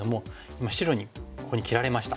今白にここに切られました。